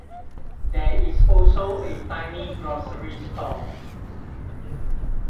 There is also a tiny grocery store.